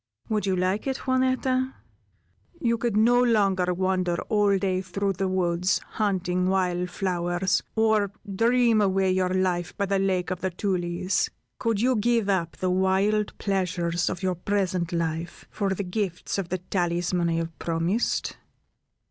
Would you like it, Juanetta? You could no longer wander all day through the woods, hunting wild flowers, or dream away your life by the Lake of the Tulies. Could you give up the wild pleasures of your present life, for the gifts of the talisman I have promised?"